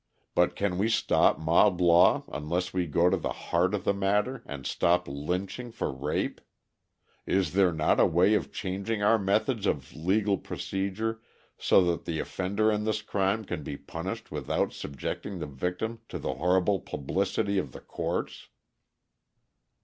But can we stop mob law unless we go to the heart of the matter and stop lynching for rape? Is there not a way of changing our methods of legal procedure so that the offender in this crime can be punished without subjecting the victim to the horrible publicity of the courts?"